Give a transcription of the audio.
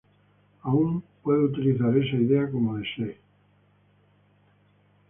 Aún puedo utilizar esa idea como desee.